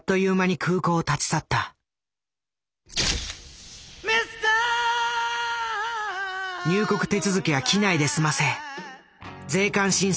入国手続きは機内で済ませ税関審査はなし。